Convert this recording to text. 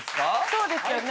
そうですよね。